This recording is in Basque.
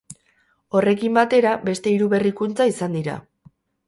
Horrekin batera, beste hiru berrikuntza izan dira.